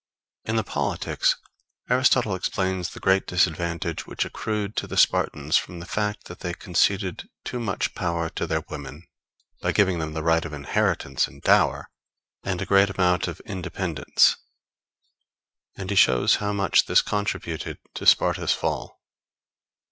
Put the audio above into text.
] In the Politics Aristotle explains the great disadvantage which accrued to the Spartans from the fact that they conceded too much to their women, by giving them the right of inheritance and dower, and a great amount of independence; and he shows how much this contributed to Sparta's fall.